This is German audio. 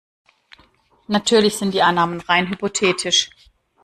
Natürlich sind die Annahmen rein hypothetisch.